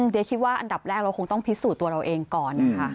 เดี๋ยวคิดว่าอันดับแรกเราคงต้องพิสูจน์ตัวเราเองก่อนนะคะ